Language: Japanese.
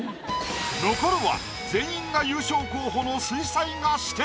残るは全員が優勝候補の。